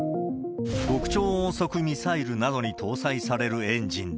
極超音速ミサイルなどに搭載されるエンジンだ。